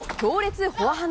伊藤の強烈フォアハンド。